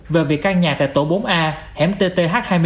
về việc căn nhà tại tổ bốn a hẻm tth hai mươi ba